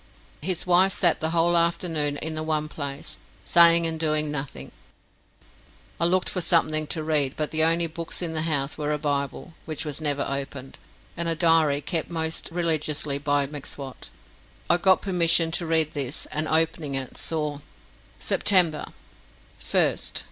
His wife sat the whole afternoon in the one place, saying and doing nothing. I looked for something to read, but the only books in the house were a Bible, which was never opened, and a diary kept most religiously by M'Swat. I got permission to read this, and opening it, saw: "September 1st.